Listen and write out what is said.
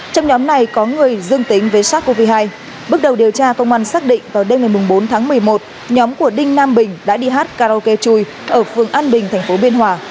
trong nhóm này có người dương tính với sars cov hai bước đầu điều tra công an xác định vào đêm ngày bốn tháng một mươi một nhóm của đinh nam bình đã đi hát karaoke chui ở phường an bình tp biên hòa